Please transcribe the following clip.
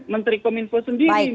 menteri kominfo sendiri mbak rifana